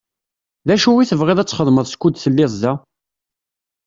D acu i tebɣiḍ ad txedmeḍ skud telliḍ da?